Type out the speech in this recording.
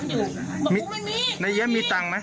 บอกว่ามันไม่มีมันไม่มีในเอี๊ยมมีตังค์ไหม